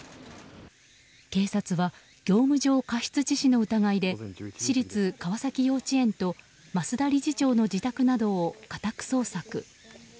警察は業務上過失致死の疑いで私立川崎幼稚園と増田理事長の自宅などを家宅捜索。